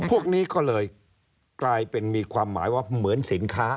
พวกนี้ก็เลยกลายเป็นมีความหมายว่าเหมือนสินค้า